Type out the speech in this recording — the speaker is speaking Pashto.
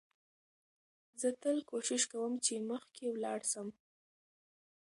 زه تل کوښښ کوم، چي مخکي ولاړ سم.